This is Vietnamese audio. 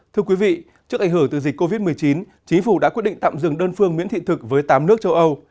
thưa quý vị trước ảnh hưởng từ dịch covid một mươi chín chính phủ đã quyết định tạm dừng đơn phương miễn thị thực với tám nước châu âu